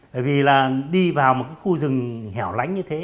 bởi vì là đi vào một cái khu rừng hẻo lánh như thế